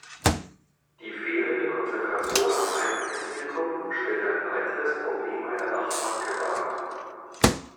Die fehlende Konzentration auf einzelne Zielgruppen stellt ein weiteres Problem einer Dachmarke dar.